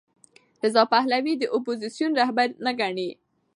رضا پهلوي د اپوزېسیون رهبر نه ګڼي.